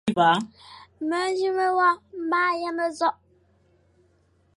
Mendzim nwokh ma yam nzokh.